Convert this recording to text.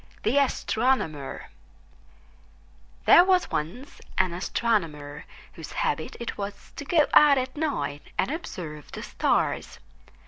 THE ASTRONOMER There was once an Astronomer whose habit it was to go out at night and observe the stars.